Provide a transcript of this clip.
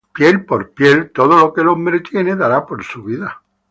: Piel por piel, todo lo que el hombre tiene dará por su vida.